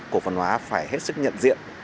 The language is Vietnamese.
cổ phân hóa phải hết sức nhận diện